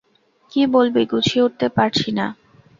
কী বলবি গুছিয়ে উঠতে পারছি না।